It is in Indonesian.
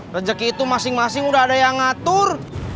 rezeki itu masing masing udah ada yang ngatur